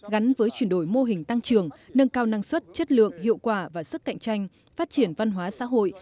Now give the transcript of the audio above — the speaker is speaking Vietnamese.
gắn với chuyển đổi mô hình tăng trưởng nâng cao năng suất chất lượng hiệu quả và sức cạnh tranh phát triển văn hóa xã hội